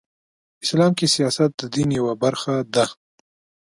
اسلام کې سیاست د دین یوه برخه ده .